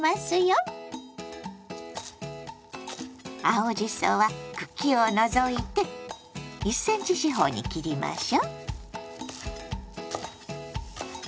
青じそは茎を除いて１ｃｍ四方に切りましょう。